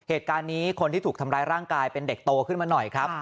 เหตุการณ์นี้คนที่ถูกทำร้ายร่างกายเป็นเด็กโตขึ้นมาหน่อยครับ